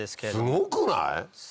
すごくない？